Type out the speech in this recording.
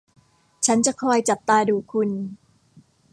ฉันจะคอยจับตาดูคุณ